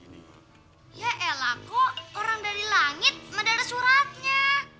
ya elah kok orang dari langit sama ada suratnya